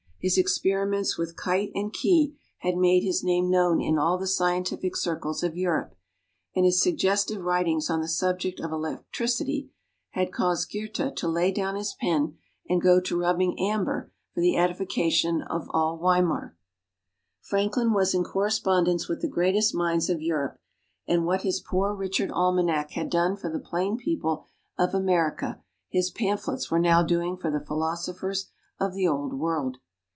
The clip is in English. His experiments with kite and key had made his name known in all the scientific circles of Europe, and his suggestive writings on the subject of electricity had caused Goethe to lay down his pen and go to rubbing amber for the edification of all Weimar. Franklin was in correspondence with the greatest minds of Europe, and what his "Poor Richard Almanac" had done for the plain people of America, his pamphlets were now doing for the philosophers of the Old World.